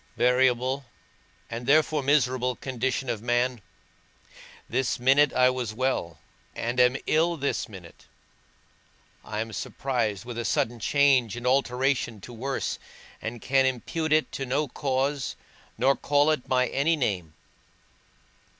Variable, and therefore miserable condition of man! this minute I was well, and am ill, this minute. I am surprised with a sudden change, and alteration to worse, and can impute it to no cause, nor call it by any name.